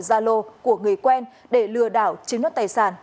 gia lô của người quen để lừa đảo chiếm đất tài sản